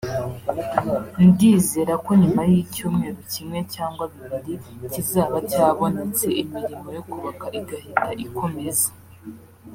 ndizera ko nyuma y’icyumweru kimwe cyangwa bibiri kizaba cyabonetse imirimo yo kubaka igahita ikomeza